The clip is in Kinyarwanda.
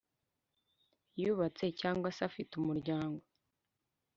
yubatse cyangwa se afite umuryango.